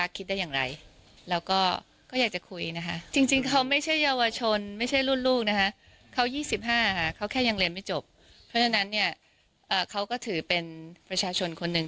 เพราะฉะนั้นเนี่ยเขาก็ถือเป็นประชาชนคนหนึ่ง